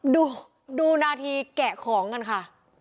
ดูดูนาทีแกะของกันค่ะ